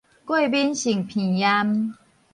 過敏性鼻炎